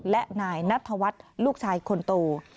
และนายนัทวัฒน์ลูกชายคนโต